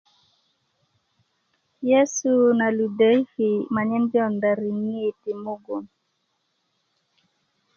yesu na ludöki manyen jonda riŋit i mugun